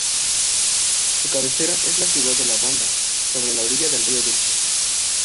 Su cabecera es la ciudad de La Banda, sobre la orilla del río Dulce.